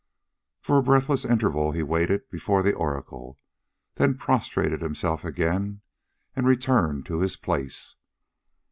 For a breathless interval he waited before the oracle, then prostrated himself again and returned to his place.